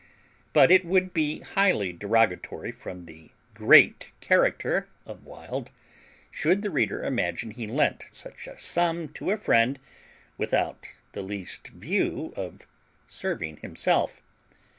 But it would be highly derogatory from the GREAT character of Wild, should the reader imagine he lent such a sum to a friend without the least view of serving himself.